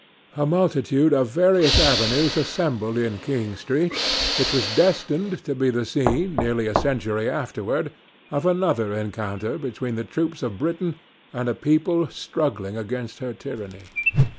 A multitude by various avenues assembled in King street, which was destined to be the scene, nearly a century afterward, of another encounter between the troops of Britain and a people struggling against her tyranny.